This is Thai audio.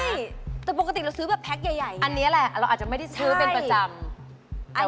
ใช่แต่ปกติเราซื้อแบบแพ็คใหญ่อันนี้แหละเราอาจจะไม่ได้ซื้อเป็นประจำ